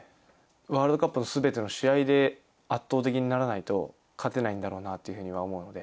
ワールドカップのすべての試合で、圧倒的にならないと勝てないんだろうなというふうには思うので。